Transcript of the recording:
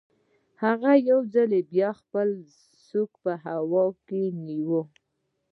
هغه یو ځل بیا خپله سوک په هوا کې ونیو